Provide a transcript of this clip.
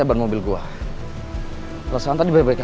tapi aku bahagia kak